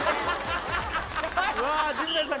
うわあ陣内さん